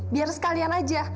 biar sekalian aja